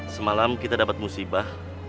semalam kita dapet musibah